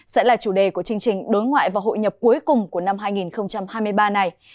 sẽ là chủ đề của chương trình đối ngoại và hội nhập cuối cùng của năm hai nghìn hai mươi ba này